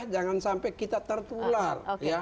jangan sampai kita tertular